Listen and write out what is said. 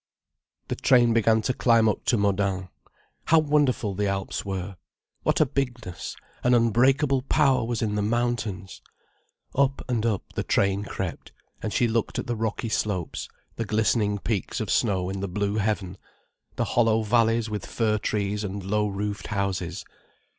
The train began to climb up to Modane. How wonderful the Alps were!—what a bigness, an unbreakable power was in the mountains! Up and up the train crept, and she looked at the rocky slopes, the glistening peaks of snow in the blue heaven, the hollow valleys with fir trees and low roofed houses.